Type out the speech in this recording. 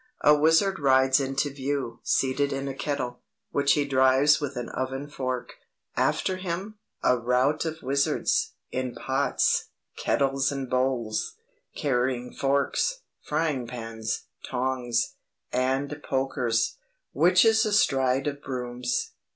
A wizard rides into view, seated in a kettle, which he drives with an oven fork; after him, a rout of wizards, in pots, kettles and bowls, carrying forks, frying pans, tongs, and pokers; witches astride of brooms.